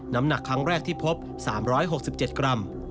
น้ำหนักครั้งแรกที่พบ๓๖๗กรัม